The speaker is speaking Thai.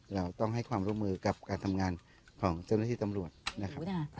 เราต้องให้ความร่วมมือกับการทำงานของเจ้าหน้าที่ตำรวจนะครับ